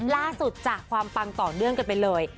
จากความปังต่อเนื่องกันไปเลย